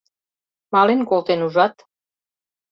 Мален колтен, ужат?